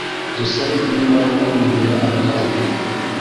dusabe inema yo kumvira abadutegeka”